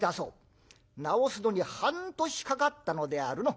治すのに半年かかったのであるのう。